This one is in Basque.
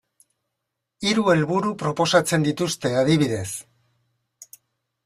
Hiru helburu proposatzen dituzte, adibidez.